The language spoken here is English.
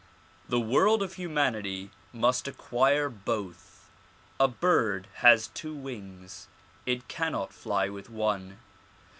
The world of humanity must acquire both, A bird has two wings; it cannot fly with one.